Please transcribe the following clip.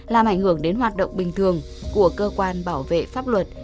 làm ảnh hưởng đến hoạt động bình thường của cơ quan bảo vệ pháp luật